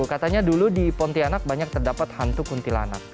katanya dulu di pontianak banyak terdapat hantu kuntilanak